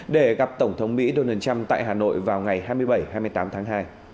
để gặp tổng thống mỹ donald trump tại hà nội vào ngày hai mươi bảy hai mươi tám tháng hai